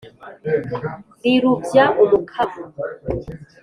nrirubya umukamo